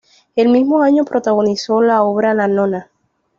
El mismo año protagonizó la obra "La nona".